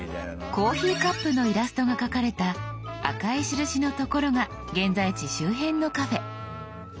コーヒーカップのイラストが描かれた赤い印の所が現在地周辺のカフェ。